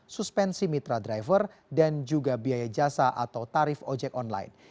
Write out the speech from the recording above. suspensi mitra driver dan juga biaya jasa atau tarif ojek online